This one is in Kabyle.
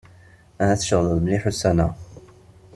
Ahat tceɣleḍ mliḥ ussan-a.